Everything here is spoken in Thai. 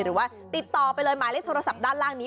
หรือว่าติดต่อไปเลยหมายเลขโทรศัพท์ด้านล่างนี้